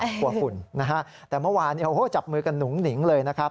กลัวคุณนะฮะแต่เมื่อวานนี้โอ้โฮจับมือกับหนุงหนิงเลยนะครับ